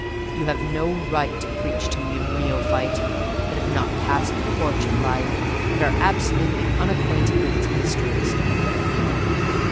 "You have no right to preach to me, you neophyte, that have not passed the porch of life, and are absolutely unacquainted with its mysteries."